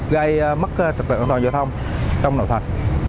gây mất trực lượng an toàn giao thông trong nội thuật